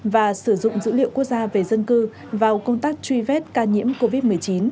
và sử dụng dữ liệu quốc gia về dân cư vào công tác truy vết ca nhiễm covid một mươi chín